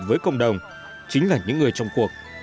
với công đồng chính là những người trong cuộc